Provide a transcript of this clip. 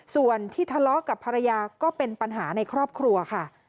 ส่วนที่ทะเลาะกับภรรยาก็เป็นปัญหาในครอบครัวค่ะ